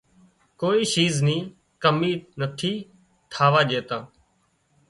ڪوئي شيز نِي ڪمي نٿي ٿاوا ڄيتان